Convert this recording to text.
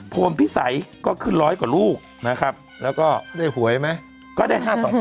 โพนพิสัยก็ขึ้นร้อยกว่าลูกนะครับแล้วก็ได้หวยไหมก็ได้๕๒๐๐